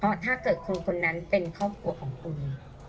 เพราะถ้าเกิดคนคนนั้นเป็นครอบครัวของคุณ